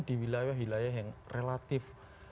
di wilayah wilayah yang relatif